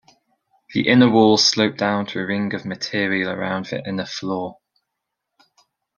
The inner walls slope down to a ring of material around the inner floor.